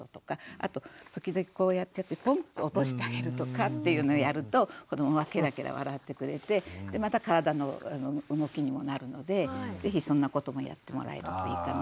あと時々こうやってポンッと落としてあげるとかっていうのをやると子どもはケラケラ笑ってくれてでまた体の動きにもなるので是非そんなこともやってもらえるといいかなと思います。